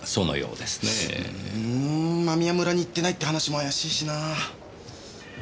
うん間宮村に行ってないって話もあやしいしなぁ。